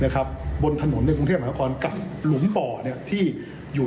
นะครับบนถนนในกรุงเทียบหาคอนกัดหลุมบ่อเนี้ยที่อยู่